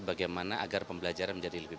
bagaimana agar pembelajaran menjadi lebih